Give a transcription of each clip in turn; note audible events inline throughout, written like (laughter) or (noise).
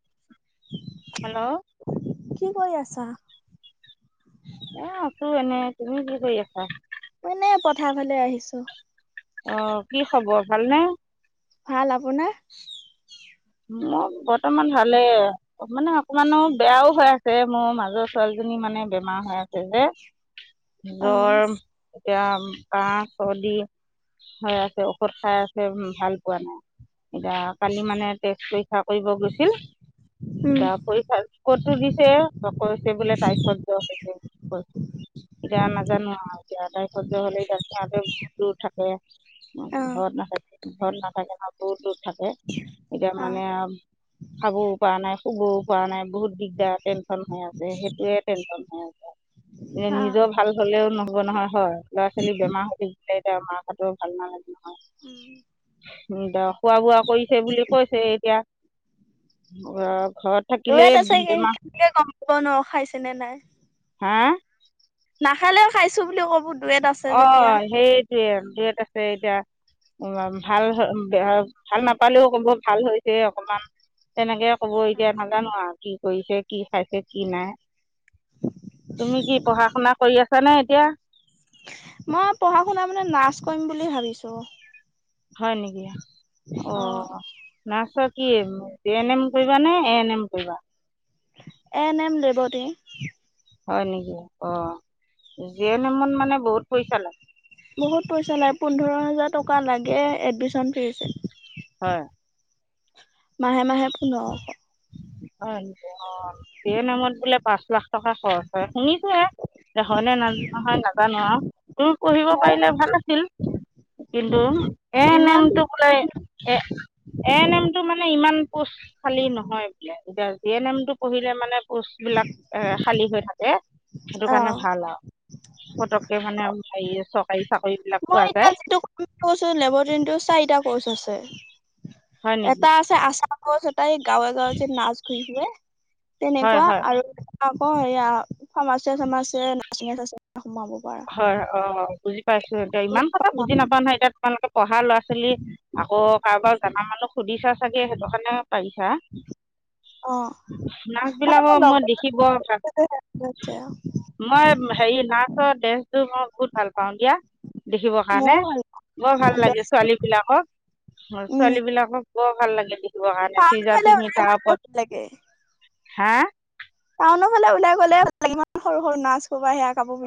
কি হেল্ল' কৰি আছে? চাহ- এ, আছো এনে, তুমি কি কৰি আছা? এনে, পথাৰ ফালে আহিছো। অ কি খবৰ ভালনে। ভাল আপোনাৰ? মোৰ বৰ্তমান ভালেই। মানে অকমানো বেয়াও হৈ আছে মোৰ মাজৰ ছোৱালীজনী মানে বেমাৰ হৈ আছে যে। অ', জ্বৰ এতিয়া কাঁহ, চৰ্দি হৈ আছে ঔষধ খাই আছে, ভাল পোৱা নাই এতিয়া। কালি মানে, এক কৰিব গৈছিল উম, এতিয়া পৰীক্ষা কতো দিছে কছে বোলে তাইখত অক যা নাজানো আ নাই প্য হলেই তাত আতে বহুত দূৰ থাকে। অ', ঘৰত নাথাকে। ঘৰত নাথাকে, দূৰত নাথাকে এতিয়া, মানে অ'। খাবও পৰা নাই শুবওঁ পৰা নাই বহুত দিগদাৰ টেনচন হৈ আছে। সেইটোৱে টেনচন হৈ আছে অ', নিজৰ ভাল হলেও নহব নহয় হয়। ল'ৰা-ছোৱালী বেমাৰ হৈ এতিয়া মাৰ হতেওঁ ভাল নালাগে নহয় উম। এতিয়া খোৱা বোৱা কৰিছে বুলি কৈছে। এতিয়া অঁ, দূৰত আছেগে গম পাব নোৱাৰ খাইছে নে নাই। হা নাখালেও খাইছো বুলি ক'ব। দূৰত আছে যেতিয়া। অঁ সেইটোৱে দূৰত আছে এতিয়া। ভাল ভাল নাপালেও ক'ব ভাল হৈছে অকমান তেনেকে ক'ব এতিয়া ণ্ডা নোহ কি কৈছে। কি খাইছে কি নাই তুমি কি পঢ়া শুনা কৰি আছা? ছানে এতিয়া মই পঢ়া শুনা মানে নাছ কৰিম। ভাবিছো হয় নেকি অ নাচ G M A N M কৰিবা নে এ এন এম কৰিবা এ নেম লেবতেৰী হয় নেকি অ যি এ ন ম মানে বহুত পইচা লাগে বহুত পইচা লাই পোন্ধৰ হাজাৰ টকা লাগে এডমিশ্যন ফিজ হয় মাহে মাহে পোন্ধৰশ অ স নামত বোলে পাঁচ লাখ টকা খৰচ হয় শুনিছোে দেখনে নাজান নহয় নাজানো আৰু তোৰ পঢ়িব মইও পাৰিলে ভাল আছিল কিন্তু এ ইমান নেমটো বোলে এ এ নেমটো মানে ইমান পোষ্টশালী নহয় এতিয়া জি এন এম টো পঢ়িলে মানে কোচ বিলাক এ খালী হৈ থাকে এ সেইটো কাৰণে অ', ভাল আৰু পতককে মানে হে চৰকাৰী চাকৰি বিলাক পোৱা মই যায় এতিয়া যিটো লবতৰিটো চাৰিটা কৰ্চ আছে হয় এটা নেকি আছে আচাম ক তাই গাঁৱে গাঁৱে যে নাচ ঘুৰি গে হয় তেনেকুৱা হয় আৰু অ এয়া ফাৰ্মাচিয় চাৰ্মাচ নাৰছিঙ আছে। হয় অ বুজি পাইছো এতিয়া ইমান কথা বুজি নাপোৱা নাই এতিয়া তোমালোকে পঢ়া ল'ৰা ছোৱালী আকৌ কাৰোবাক জ মানুহ সুধিছা চাগে সেইটো কাৰণে পাৰিছা অ নাচ মানে বিলাকো মোৰ মই লগৰ দেখিব আছে মই হেৰি নাচ। ড মই বহুত ভাল পাও দিয়া দেখিব কাৰণে ময়ো ভাল বৰ ভাল লাগে ছোৱালী বিলাকক ছোৱালী বিলাকক। বৰ ভাল লাগে দ পফালে লাগে হা মুহ ফালে ওলাই গ'লে ইমান সৰু সৰু নাচ কোব আহে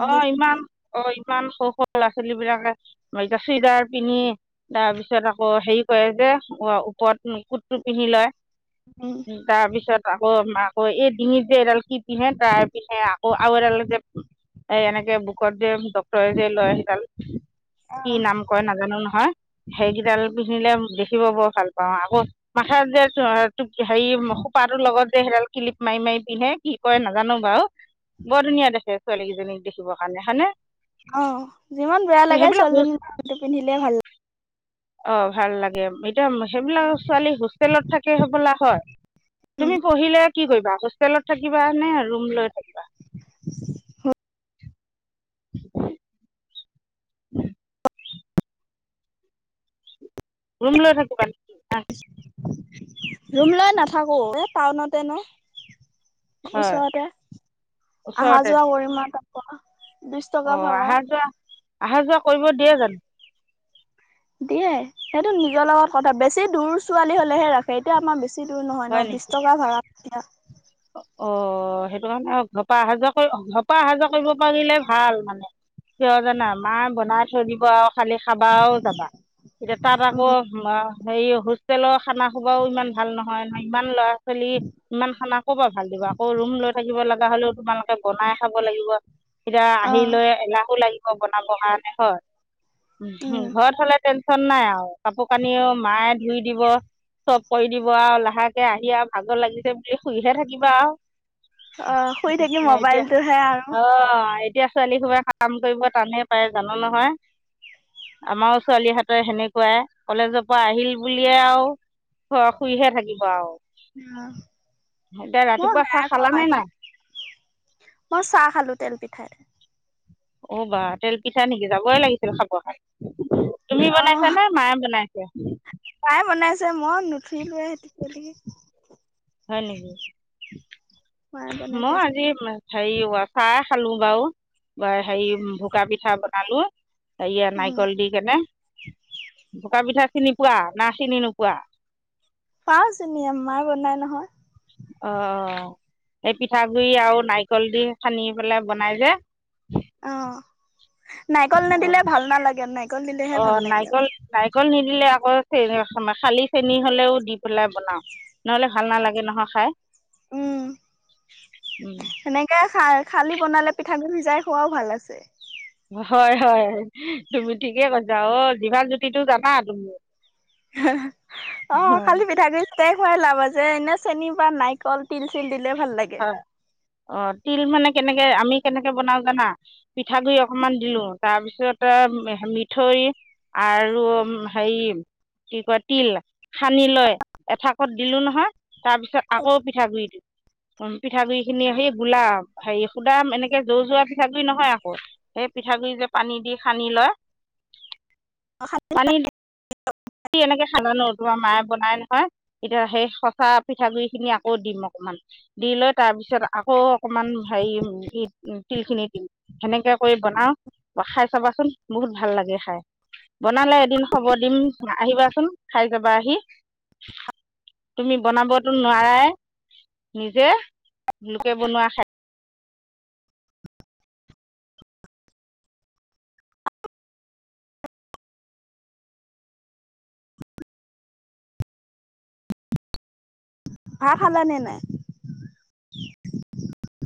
অঁ ইমান অই ইমান সৰু সৰু ল'ৰা ছোৱালীবিলাকে এতিয়া চুৱেদাৰ পিন্ধি, তাৰপিছত আকৌ হেৰি কৰে যে, ওপ ওপত কুটটো পিন্ধি লয়। উম তাপিছত আকৌ, আকৌ এই ডিঙিত যে এডাল কি পিন্ধে তাঁৰ পিন্ধে, আকৌ আৰু এডাল যে এই এনেকে বুকত যে ডক্তৰে যে লয় সেইডাল। অ কি নাম কয় নাজানো নহয়। সেইকেইডাল পিন্ধিলে দেখিব বৰ ভাল পাওঁ, আকৌ মাথাত যে অঁ টোক-হেৰি খোপাটোৰ লগত যে সেইডাল কিলিপ মায়ি মায়ি পিন্ধে কি কয় নাজানো বাও, বৰ ধুনীয়া দেখে ছোৱালী কেইজনীক। দেখিব কাৰণে হয় নে? অঁ, যিমান বেয়া লাগে ছোৱালীজিক কোৰ্টি পিন্ধিলে ভাল লাগে। অঁ ভাল লাগে। এতিয়া সেইবিলাক ছোৱালী হোষ্টেলত থাকে হবলা হয়। উম তুমি পঢ়িলে কি কৰিবা হোষ্টেলত থাকিবা নে, ৰুম লৈ থাকিবা? ঘত (unintelligible) ৰুম লৈ থাকিবা নিকি হা ৰুম লৈ নাথাকো এ টাউনতে নো। হয় ওচৰতে, আহা -যোৱা কৰিমা তা কমা- অঁ আহা যোৱা আহা-যোৱা কৰিব দিয়ে জনো? দিয়ে। সেইটো নিজৰ লগত কথা বেছি দূৰ ছোৱালী হ'লেহে ৰাখে, এতিয়া আমাৰ বেছি দূৰ নহয় ন বিশ টকা ভাড়া। দিয়া। অঁ সেইটো কাৰণে ঘপা অহা -যোৱা কয়িব ঘপা অহা -যোৱা কৰিব পাৰিলে ভাল মানে, কিয় জানা মা বনাই থৈ দিব আও- খালী খাবাও যাবা। তাত আকৌ উম অঁ হেৰি হোষ্টেলৰ খানা সোপাও ইমান ভাল নহয়, ইমান ল'ৰা- ছোৱালী, ইমান খানা- কপা ভাল দিব, আকৌ ৰুম লৈ থাকিব লগা হ'লেও তোমালোকে বনাই খাব লাগিব। এতিয়া অ আহি লৈ এলাহো লাগি কৌ বনাব কাৰনে হ'য়। উম উম্‌ ঘৰত হ'লে তেন্‌ বন নাই আও কাপোৰ কানিও মায়ে ধুই দিব, চব কৰি দিব আও লাহেকে আহি আও ভাগৰ লাগিছে বুলি শুইহে থাকিবা আও। অঁ শুই থাকি মবাইলটোহে আৰু অঁ এতিয়া ছোৱালী সোপাই কাম কৰিব টানেই পায় জান নহয়, আমাৰো ছোৱালীেহাতে সেনেকুৱাই কলেজৰ পৰা আহিল বুলিয়ে আও শুৱা-শুইহে থাকিব আও। উম হুঁ ৰাতিপুৱা চাহ নাইখোৱা খালানে নাই পাইছোহে, মই চাহ খালো তেল পিঠা- খা অ' বা তেল পিঠা নেকি যাবই লাগিছিল খাব কাৰণে তুমি অ বনাইছা নে মায়ে বনাইছে ছে মই নুঠু লোৱা সেতি কাল (unintelligible) হয় নেকি মায়ে বনাই মই থৈছে আজি হেৰি চাহ খালো বাৰু হেৰি ভোকা পিঠা বনালো। সেয়া উম নাইকল দি কেনে। বকা পিঠা চিনি পোৱা না চিনি নোপোৱা। পাঁও চিনি মায়ে বনাই নহয়। (unintelligible) অ এই পিঠাগুৰি আৰু নাৰিকল দি খানি পেলাই বনাই যে। অ নাৰিকল অ নিদিলে ভাল নালাগে ন। অ নাৰিকল নাৰিকল নি দিলে (unintelligible) আকৌ চ খালি চেনী হলেও দি পেলাই বনাও নহলে ভাল নালাগে নহয় খাই। উম উম এনেকা খাই খালি বনালে পিঠাগুৰি সিজাই খোৱাও ভাল আছে। হয় হয় তুমি ঠিকে কৈছা অ জিমান জ্যোতিটো জানা তুমি। অ খালি হয় পিঠা গুৰি। ত খুৱাই লাব আছে এনে চেনী বা নাৰিকল তিল চেনি। অ অ তিল মানে কেনেকে আমি কেনেকে বনাও জানা পিঠাগুৰি অকনমান দিলো তাৰপিছত মিঠৈ আৰু হেৰি কি কয় তিল সানি লৈ এঠাকত দিলো নহয় তাৰপিছত আকৌ পিঠাগুৰি দি পিঠাগুৰি খিনি সেই গোলাপ হেৰি সুদা এনেকে যৌ যোৱা পিঠাগুৰি নহয় আকৌ সেই পিঠাগুৰি যে পানী দি সানি লয়। (unintelligible) অ সানি লয়। স এনেকে খাজানো তোমাৰ মায়ে বনাই নহয় এতিয়া সেই সঁচা পিঠাগুৰি খিনি আকৌ দিম অকমান দি লৈ তাৰপিছত আকৌ অকমান হেৰি উ তিল খিনি দিম সেনেকে কৰি বনাও খাই চাবাচোন বহুত ভাল লাগে খাই বনালে এদিন খব দিম। আহিবাচোন খাই যাবা আহি তুমি বনাবতো নোৱাৰাই নিজে লোকে বনোৱা খাই (unintelligible) ভাত খালানে নাই?